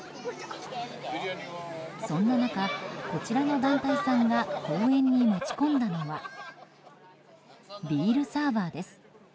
そんな中、こちらの団体さんが公園に持ち込んだのはビールサーバーです。